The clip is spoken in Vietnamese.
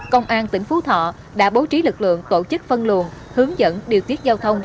công an tỉnh phú thọ đã bố trí lực lượng tổ chức phân luồn hướng dẫn điều tiết giao thông